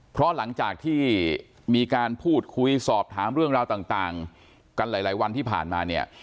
เพราะหลังจากที่มีการพูดคุยสอบถามเรื่องราวต่างกันหลายวันที่ผ่านมาเนี่ย